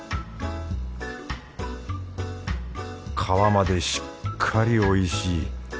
皮までしっかりおいしい。